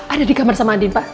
ada di kamar sama andin pak